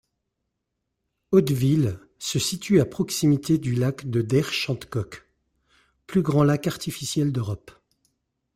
Hauteville se situe à proximité du lac du Der-Chantecoq, plus grand lac artificiel d'Europe.